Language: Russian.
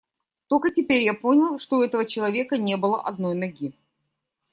Только теперь я понял, что у этого человека не было одной ноги.